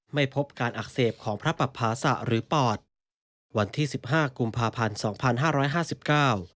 ไม่พบการอักเสบของพระปภาษะหรือปอดวันที่สิบห้ากุมภาพันธ์สองพันห้าร้อยห้าสิบเก้า